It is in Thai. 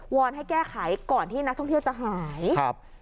อนให้แก้ไขก่อนที่นักท่องเที่ยวจะหายครับ